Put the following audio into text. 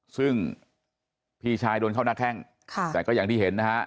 ซึ่งพี่ชายโดนเข้าหน้าแข้งค่ะแต่ก็อย่างที่เห็นนะฮะ